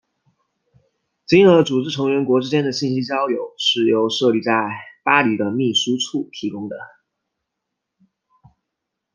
经合组织成员国之间的信息交流是由设立在巴黎的秘书处提供的。